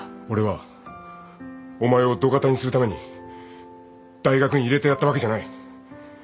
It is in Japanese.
俺はお前を土方にするために大学に入れてやったわけじゃない。